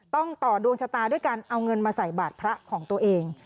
ต่อดวงชะตาด้วยการเอาเงินมาใส่บาทพระของตัวเอง